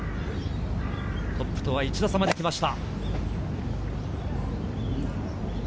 トップとは１打差まで来ました。